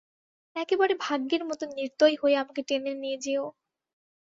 একেবারে ভাগ্যের মতো নির্দয় হয়ে আমাকে টেনে নিয়ে যেয়ো।